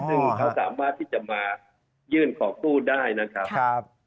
ซึ่งเขาสามารถที่จะมายื่นขอกู้ได้นะครับ